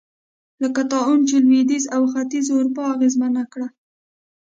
لکه طاعون چې لوېدیځه او ختیځه اروپا اغېزمن کړه.